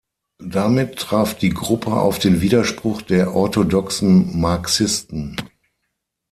Damit traf die Gruppe auf den Widerspruch der orthodoxen Marxisten.